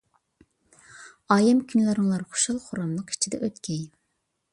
ئايەم كۈنلىرىڭلار خۇشال-خۇراملىق ئىچىدە ئۆتكەي!